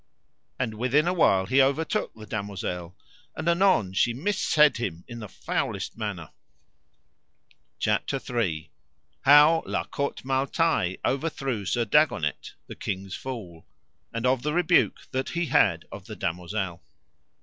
And within a while he overtook the damosel, and anon she missaid him in the foulest manner. CHAPTER III. How La Cote Male Taile overthrew Sir Dagonet the king's fool, and of the rebuke that he had of the damosel.